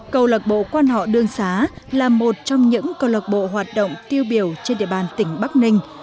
câu lạc bộ quan họ đường xá là một trong những câu lạc bộ hoạt động tiêu biểu trên địa bàn tỉnh bắc ninh